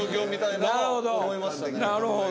なるほど。